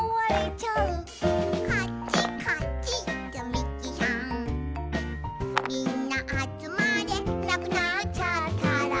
みんなあつまれ」「なくなっちゃったら」